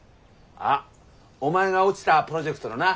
あお前が落ちたプロジェクトのな？